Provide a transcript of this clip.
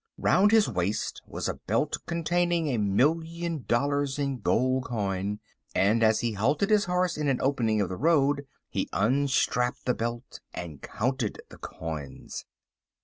Round his waist was a belt containing a million dollars in gold coin, and as he halted his horse in an opening of the road he unstrapped the belt and counted the coins.